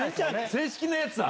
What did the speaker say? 正式なやつだ。